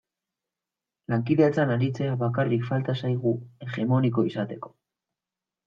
Lankidetzan aritzea bakarrik falta zaigu hegemoniko izateko.